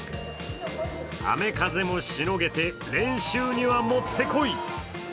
雨風もしのげて練習にはもってこい。